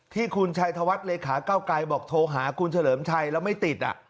ที่คุณชัยธวัฒน์เลขาเก้าไกรบอกโทรหาคุณเฉลิมชัยแล้วไม่ติด